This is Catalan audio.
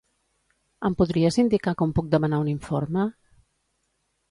Em podries indicar com puc demanar un informe?